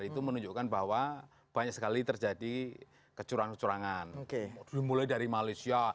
itu menunjukkan bahwa banyak sekali terjadi kecurangan kecurangan mulai dari malaysia